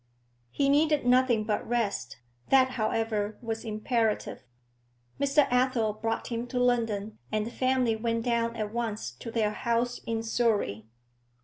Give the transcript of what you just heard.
He needed nothing but rest; that, however, was imperative. Mr. Athel brought him to London, and the family went down at once to their house in Surrey.